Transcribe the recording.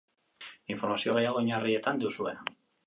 Informazio gehiago oinarrietan duzue.